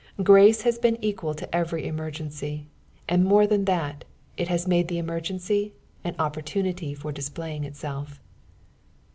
Once hia been tqual to everj emergency ; and more than thu, it baa nude the emergencj an opportunity for displaying itself.